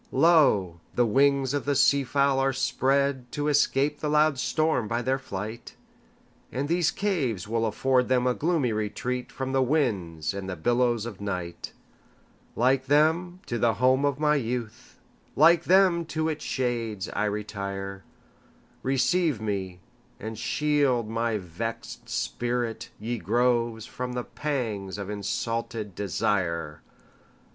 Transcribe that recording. Lo! the wings of the sea fowl are spreadTo escape the loud storm by their flight; And these caves will afford them a gloomy retreatFrom the winds and the billows of night; Like them, to the home of my youth, Like them, to its shades I retire; Receive me, and shield my vexed spirit, ye groves, From the pangs of insulted desire!